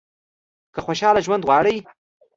که خوشاله ژوند غواړئ .